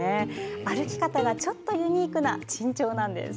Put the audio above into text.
歩き方がちょっとユニークな珍鳥なんです。